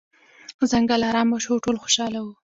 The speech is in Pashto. ځنګل ارامه شو او ټول خوشحاله وو.